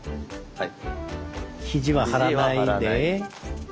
はい。